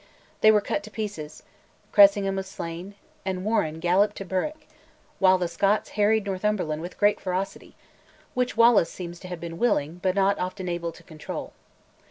They were cut to pieces, Cressingham was slain, and Warenne galloped to Berwick, while the Scots harried Northumberland with great ferocity, which Wallace seems to have been willing but not often able to control.